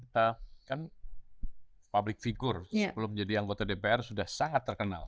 kita kan public figure sebelum jadi anggota dpr sudah sangat terkenal